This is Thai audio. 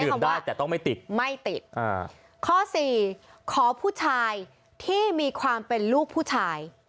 ทำได้แต่ต้องไม่ติดไม่ติดอ่าข้อสี่ขอผู้ชายที่มีความเป็นลูกผู้ชาย